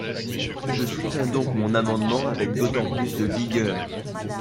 Je soutiens donc mon amendement avec d’autant plus de vigueur.